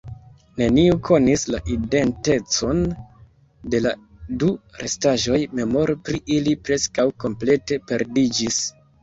Neniu konis la identecon de la du restaĵoj, memoro pri ili preskaŭ komplete perdiĝis.